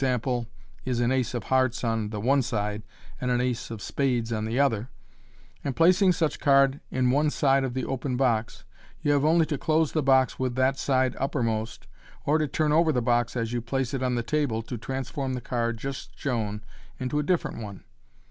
y is an ace of hearts on the one side, and an ace of spades on the other— and placing such card in one side of the open box, you have only to close the box with that side uppermost, or to turn over the box as you place it on the table, to transform the card just shown into a different one.